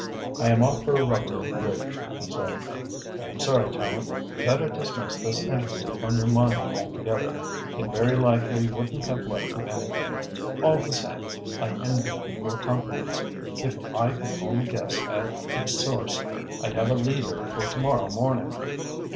"I am off for a rubber of bridge," he said. "I am sorry, Tallente. Better dismiss this interview from your mind altogether. It very likely wouldn't have led to anything. All the same, I envy you your confidence. If I could only guess at its source, I'd have a leader for to morrow morning."